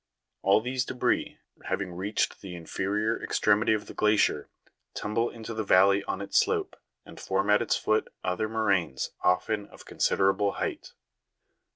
All these debris, having reached the inferior ex tremity of the glacier, tumble into the valley on its slope, and form at its foot other moraines often of considerable height.